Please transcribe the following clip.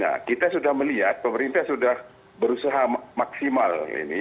ya kita sudah melihat pemerintah sudah berusaha maksimal ini